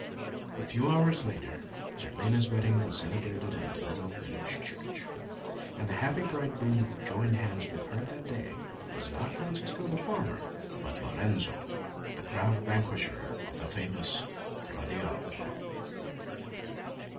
A few hours later, Zerlina's wedding was celebrated in the little village church, and the happy bridegroom who joined hands with her that day was not Francesco the farmer, but Lorenzo, the proud vanquisher of the famous Fra Diavolo.